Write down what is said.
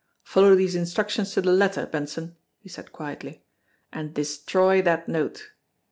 "Follow these instructions to the letter, Ben son," he said quietly, "And destroy that note.